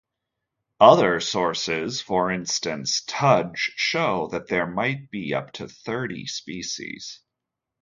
Other sources, for instance Tudge, show that there might be up to thirty species.